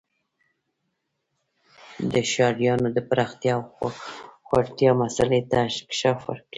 د ښارونو د پراختیا او ځوړتیا مسئلې ته انکشاف ورکړي.